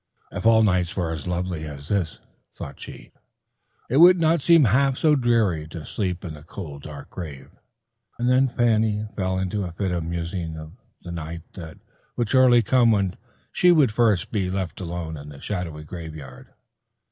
"If all nights were as lovely as this," thought she, "it would not seem half so dreary to sleep in the cold dark grave," and then Fanny fell into a fit of musing of the night that would surely come when she would first be left alone in the shadowy graveyard.